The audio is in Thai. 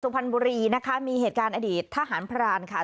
พรรณบุรีนะคะมีเหตุการณ์อดีตทหารพรานค่ะ